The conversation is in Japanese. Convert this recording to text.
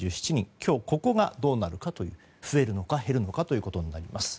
今日、ここがどうなるか増えるのか減るのかということになります。